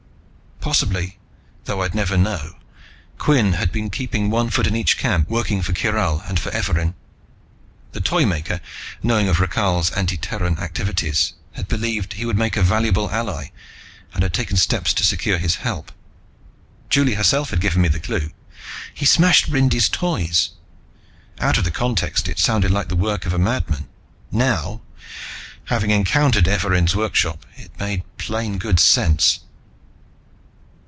_" Possibly, though I'd never know, Cuinn had been keeping one foot in each camp, working for Kyral and for Evarin. The Toymaker, knowing of Rakhal's anti Terran activities, had believed he would make a valuable ally and had taken steps to secure his help. Juli herself had given me the clue: "He smashed Rindy's Toys." Out of the context it sounded like the work of a madman. Now, having encountered Evarin's workshop, it made plain good sense.